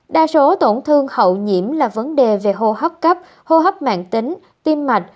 đa số tổn thương hậu nhiễm là vấn đề về hô hấp cấp hô hấp mạng tính tim mạch